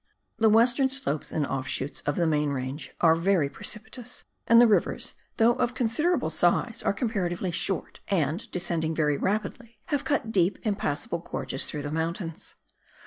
The western slopes and ofishoots of the main range are very precipitous, and the rivers, though of considerable size, are comparatively short, and, descending very rapidly, have cut deep impassable gorges through the mountains.